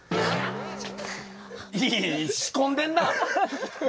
いやいや仕込んでんな！